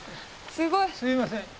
すいません。